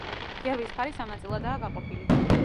გერბის ფარი სამ ნაწილადაა გაყოფილი.